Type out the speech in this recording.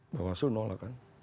bahwa sudah nolak kan